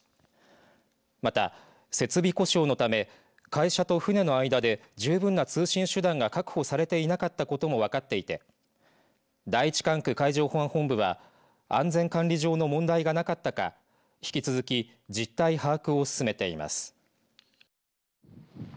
また、設備故障のため会社と船の間で十分な通信手段が確保されていなかったことも分かっていて第１管区海上保安本部は安全管理上の問題がなかったか引き続き実態把握を進めています。